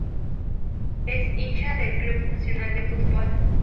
Es hincha del Club Nacional de Football.